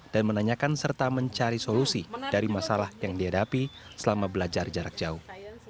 dan menanyakan serta mencari solusi dari masalah yang dihadapi selama belajar jarak jauh